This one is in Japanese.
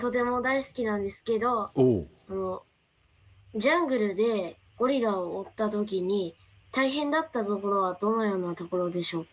ジャングルでゴリラを追った時に大変だったところはどのようなところでしょうか？